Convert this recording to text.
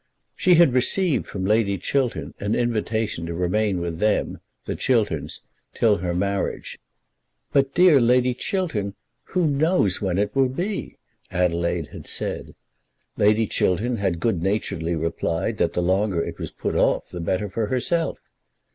She had received from Lady Chiltern an invitation to remain with them, the Chilterns, till her marriage. "But, dear Lady Chiltern, who knows when it will be?" Adelaide had said. Lady Chiltern had good naturedly replied that the longer it was put off the better for herself.